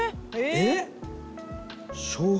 「えっ！」